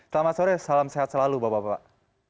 selamat sore salam sehat selalu bapak bapak